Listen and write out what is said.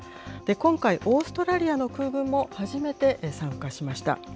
今回、オーストラリアの空軍も初めて参加しました。